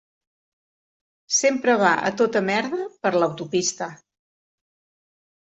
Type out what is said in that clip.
Sempre va a tota merda per l'autopista.